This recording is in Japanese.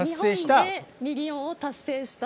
日本でミリオンを達成した。